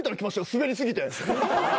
スベり過ぎて。